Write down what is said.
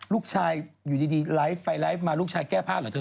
ลูกชายอยู่ดีไลฟ์ไปไลฟ์มาลูกชายแก้ผ้าเหรอเธอ